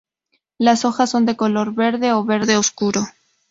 Las hojas son de color verde a verde oscuro.